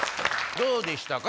どうでしたか？